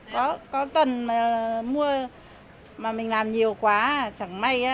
có tuần mua mà mình làm nhiều quá chẳng may